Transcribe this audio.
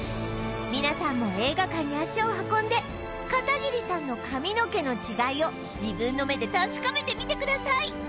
皆さんも映画館に足を運んで片桐さんの髪の毛の違いを自分の目で確かめてみてください